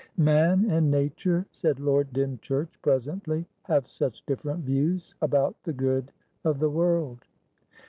"Man and nature," said Lord Dymchurch presently, "have such different views about the good of the world."